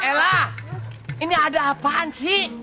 ella ini ada apaan ci